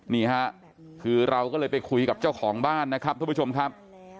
นี่ฮะคือเราก็เลยไปคุยกับเจ้าของบ้านนะครับทุกผู้ชมครับ